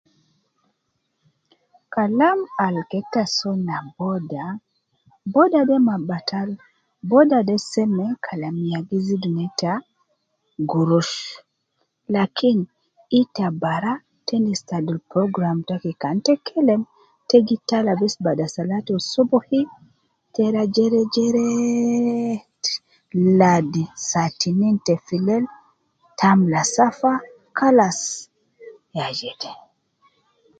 Kalam al keta soo na boda, boda ma batal, boda de seme Kalam ya gi zidu neta gurush, lakin, ita bara, te endis te adul program taki kan te kelem, te gi tala bes bada salatu subuhi, te rua jere jeree, ladi saa tinin te filel, te amula safa, kalas, ya jede